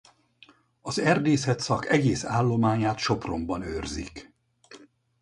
Az erdészet szak egész állományát Sopronban őrzik.